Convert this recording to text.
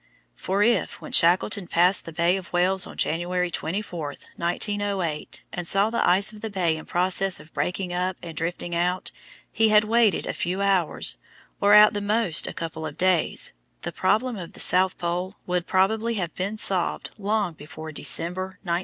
For if, when Shackleton passed the Bay of Whales on January, 24, 1908, and saw the ice of the bay in process of breaking up and drifting out, he had waited a few hours, or at the most a couple of days, the problem of the South Pole would probably have been solved long before December, 1911.